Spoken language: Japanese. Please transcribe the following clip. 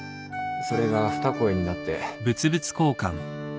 それがふた声になって。